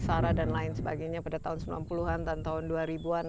sarah dan lain sebagainya pada tahun sembilan puluh an dan tahun dua ribu an